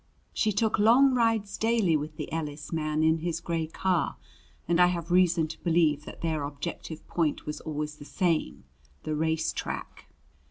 She took long rides daily with the Ellis man in his gray car, and I have reason to believe that their objective point was always the same the race track.